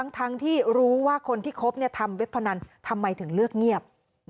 ทั้งที่รู้ว่าคนที่คบทำเว็บพนันทำไมถึงเลือกเงียบ